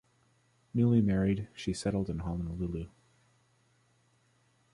Newly married, she settled in Honolulu.